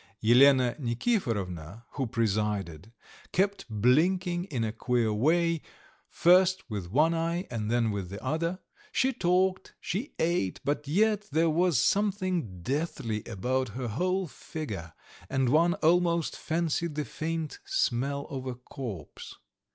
Elena Nikiforovna, who presided, kept blinking in a queer way, first with one eye and then with the other. She talked, she ate, but yet there was something deathly about her whole figure, and one almost fancied the faint smell of a corpse.